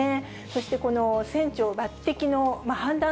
そしてこの船長抜てきの判断